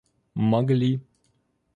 могли